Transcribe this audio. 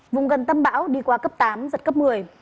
vùng gần tâm bão đi qua cấp tám giật cấp một mươi